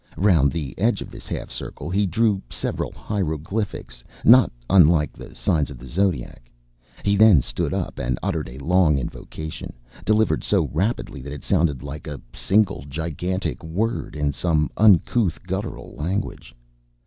Round the edge of this half circle he drew several hieroglyphics, not unlike the signs of the zodiac. He then stood up and uttered a long invocation, delivered so rapidly that it sounded like a single gigantic word in some uncouth guttural language.